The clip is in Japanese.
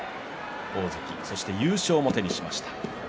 大関そして優勝も手にしました。